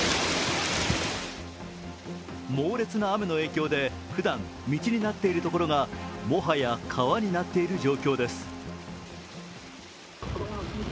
猛烈な雨の影響で、ふだん道になっている所がもはや川になっている状況です。